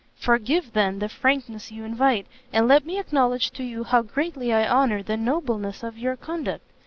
"Forgive then the frankness you invite, and let me acknowledge to you how greatly I honour the nobleness of your conduct.